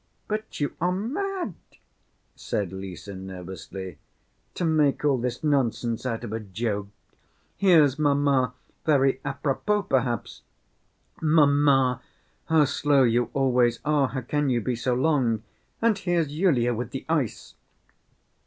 "But you are mad," said Lise, nervously, "to make all this nonsense out of a joke! Here's mamma, very à propos, perhaps. Mamma, how slow you always are, how can you be so long! And here's Yulia with the ice!"